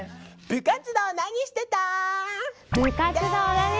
「部活動何してた？」。